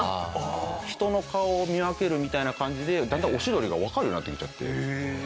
人の顔を見分けるみたいな感じでだんだんオシドリがわかるようになってきちゃって。